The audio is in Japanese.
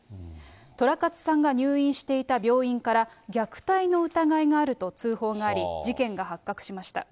とらかつさんが入院していた病院から、虐待の疑いがあると通報があり、事件が発覚しました。